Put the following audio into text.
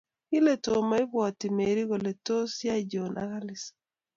kile tom maipwotyi.mery kole tos yai Jonhn ak Alice